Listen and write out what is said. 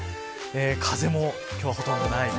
風も今日はほとんどない。